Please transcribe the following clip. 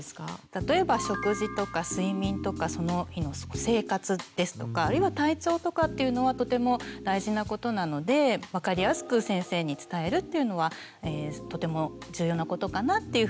例えば食事とか睡眠とかその日の生活ですとかあるいは体調とかっていうのはとても大事なことなので分かりやすく先生に伝えるっていうのはとても重要なことかなっていうふうに思います。